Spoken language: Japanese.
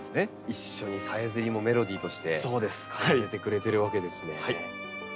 一緒にさえずりもメロディーとして奏でてくれてるわけですね。